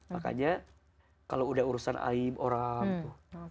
makanya kalau udah urusan aib orang tuh